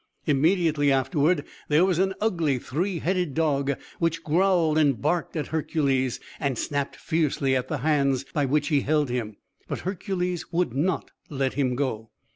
Immediately afterward, there was an ugly three headed dog, which growled and barked at Hercules, and snapped fiercely at the hands by which he held him! But Hercules would not let him go.